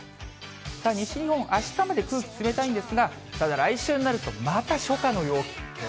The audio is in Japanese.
西日本、あしたまで空気冷たいんですが、ただ来週になると、また初夏の陽気。